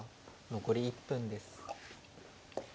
残り１分です。